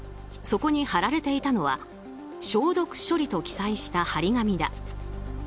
そこに貼られていたのは消毒処理と記載した貼り紙だ。